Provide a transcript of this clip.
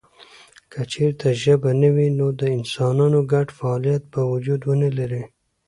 که چېرته ژبه نه وي نو د انسانانو ګډ فعالیت به وجود ونه لري.